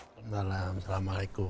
selamat malam assalamualaikum